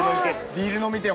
ビール飲みてぇ。